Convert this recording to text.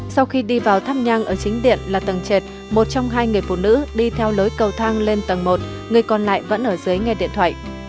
sau khi đi vào tháp nhang ở chính điện là tầng trệt một trong hai người phụ nữ đi theo lối cầu thang lên tầng một người còn lại vẫn ở dưới nghe điện thoại